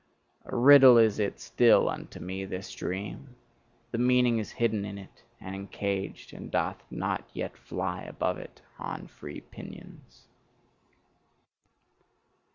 A riddle is it still unto me, this dream; the meaning is hidden in it and encaged, and doth not yet fly above it on free pinions.